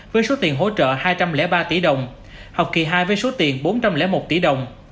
với số tiền hỗ trợ hai trăm linh ba tỷ đồng học kỳ hai với số tiền bốn trăm linh một tỷ đồng